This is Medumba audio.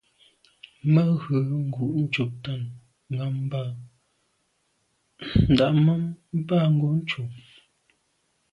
Mə ghʉ̌ ngǔ’ ncobtαn ŋammbαhα. Ndὰb mαm bə α̂ Ngǒnncò.